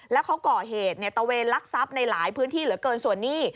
แล้วเขาก่อเหตุตะเวนลักทรัพย์ในหลายพื้นที่เหลือเกินส่วนหนี้